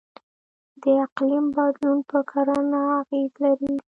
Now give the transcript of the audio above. د اقلیم بدلون په کرنه اغیز لري.